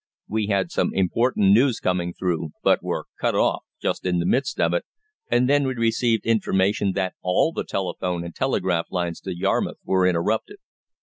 We had some important news coming through, but were cut off just in the midst of it, and then we received information that all the telephone and telegraph lines to Yarmouth were interrupted."